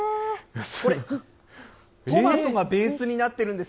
これ、トマトがベースになってるんです。